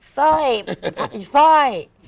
สร้อยผักผิดสร้อย